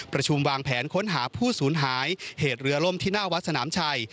ประชุมวางแผนค้นหาผู้สูญหายเหตุเรือล่มที่หน้าวัดสนามชัย